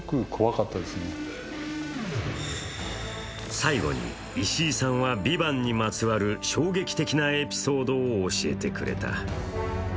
最後に石井さんは、「ＶＩＶＡＮＴ」にまつわる衝撃的なエピソードを教えてくれた。